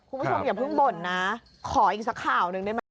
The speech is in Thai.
คุณผู้ชมอย่าเพิ่งบ่นนะขออีกสักข่าวหนึ่งได้ไหม